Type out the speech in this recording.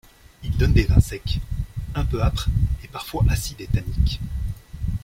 Il donne des vins secs, un peu âpres et parfois acides et tanniques.